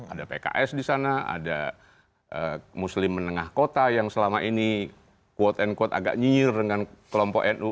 ada pks di sana ada muslim menengah kota yang selama ini quote unquote agak nyir dengan kelompok nu